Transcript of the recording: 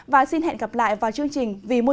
và hẹn gặp lại các bạn trong những video tiếp theo